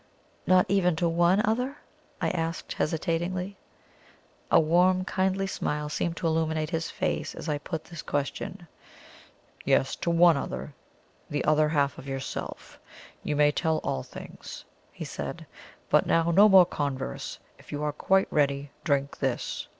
"Not even to one other?" I asked hesitatingly. A warm, kindly smile seemed to illuminate his face as I put this question. "Yes, to one other, the other half of yourself you may tell all things," he said. "But now, no more converse. If you are quite ready, drink this."